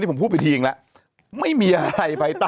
สิ่งดีต้องเข้ามา